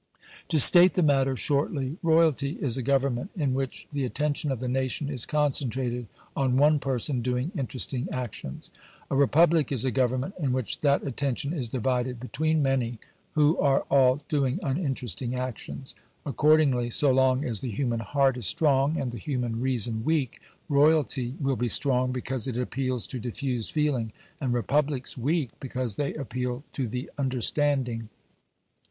To state the matter shortly, royalty is a government in which the attention of the nation is concentrated on one person doing interesting actions. A Republic is a government in which that attention is divided between many, who are all doing uninteresting actions. Accordingly, so long as the human heart is strong and the human reason weak, royalty will be strong because it appeals to diffused feeling, and Republics weak because they appeal to the understanding.